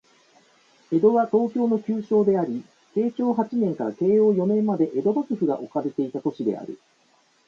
江戸は、東京の旧称であり、慶長八年から慶応四年まで江戸幕府が置かれていた都市である